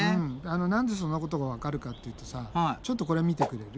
何でそんなことがわかるかっていうとさちょっとこれ見てくれる。